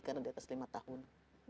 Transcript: karena diatas lima tahun